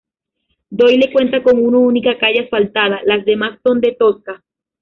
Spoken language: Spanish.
Doyle cuenta con una única calle asfaltada, las demás son de tosca.